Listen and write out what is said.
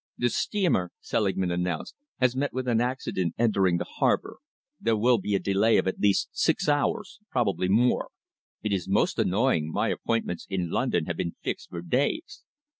"The steamer," Selingman announced, "has met with an accident entering the harbour. There will be a delay of at least six hours possibly more. It is most annoying. My appointments in London have been fixed for days."